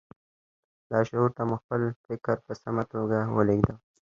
لاشعور ته مو خپل فکر په سمه توګه ولېږدوئ